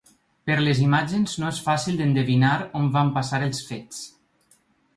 Per les imatges no és fàcil d’endevinar on van passar els fets.